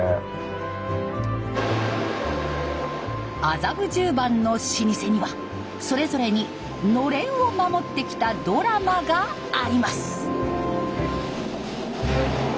麻布十番の老舗にはそれぞれにのれんを守ってきたドラマがあります。